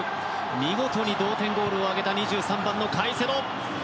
見事に同点ゴールを挙げた２３番のカイセド。